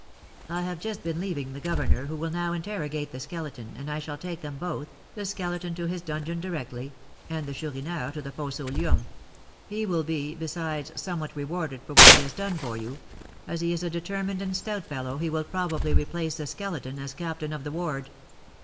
"I have just been leaving the governor, who will now interrogate the Skeleton, and I shall take them both, the Skeleton to his dungeon directly, and the Chourineur to the Fosse aux Lions; he will be, besides, somewhat rewarded for what he has done for you; as he is a determined and stout fellow, he will probably replace the Skeleton as captain of the ward."